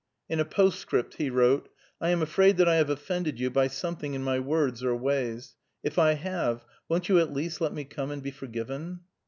In a postscript he wrote: "I am afraid that I have offended you by something in my words or ways. If I have, won't you at least let me come and be forgiven?"